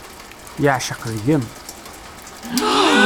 Yeεceq deg-m.